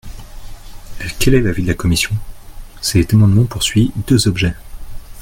Quel est l’avis de la commission ? Cet amendement poursuit deux objets.